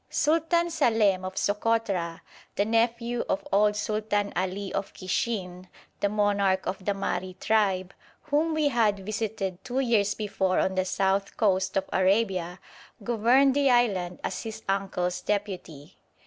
Sultan Salem of Sokotra, the nephew of old Sultan Ali of Kishin, the monarch of the Mahri tribe, whom we had visited two years before on the south coast of Arabia, governed the island as his uncle's deputy.